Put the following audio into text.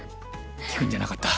聞くんじゃなかった。